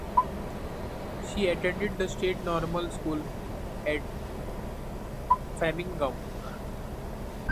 She attended the State Normal School at Framingham.